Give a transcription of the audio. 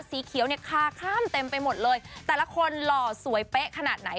สีเขียวเนี่ยคาข้ามเต็มไปหมดเลยแต่ละคนหล่อสวยเป๊ะขนาดไหน